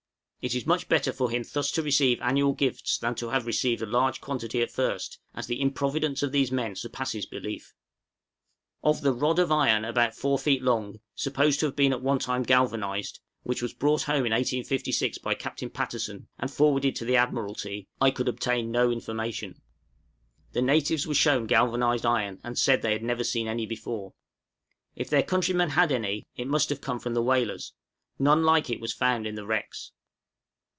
It is much better for him thus to receive annual gifts than to have received a large quantity at first, as the improvidence of these men surpasses belief. {TEMPTATIONS TO BARTER.} Of the "rod of iron about four feet long, supposed to have been at one time galvanized," which was brought home in 1856 by Captain Patterson, and forwarded to the Admiralty, I could obtain no information. The natives were shown galvanized iron, and said they had never seen any before; if their countrymen had any, it must have come from the whalers; none like it was found in the wrecks.